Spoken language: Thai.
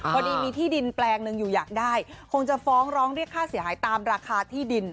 พอดีมีที่ดินแปลงหนึ่งอยู่อยากได้คงจะฟ้องร้องเรียกค่าเสียหายตามราคาที่ดิน